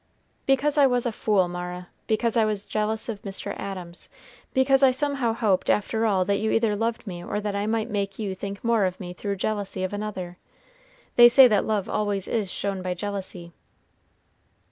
"Because I was a fool, Mara, because I was jealous of Mr. Adams, because I somehow hoped, after all, that you either loved me or that I might make you think more of me through jealousy of another. They say that love always is shown by jealousy."